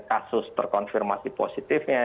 kasus terkonfirmasi positifnya